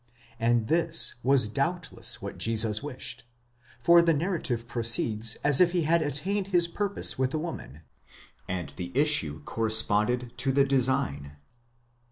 And this was doubtless what Jesus wished, for the narrative proceeds as if he had attained his purpose with the woman, and the issue corresponded to the design.